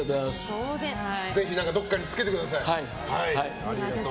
ぜひどこかにつけてください。